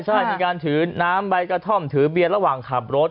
ใช่มีการถือน้ำใบกระท่อมถือเบียนระหว่างขับรถ